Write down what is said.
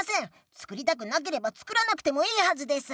つくりたくなければつくらなくてもいいはずです。